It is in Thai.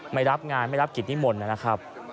ไม่รับงานไม่รับกิจนิมนต์นะครับ